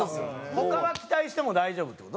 他は期待しても大丈夫って事？